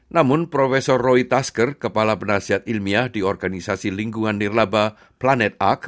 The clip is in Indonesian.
namun prof roy tasker kepala penasihat ilmiah di organisasi lingkungan nilaba planet arc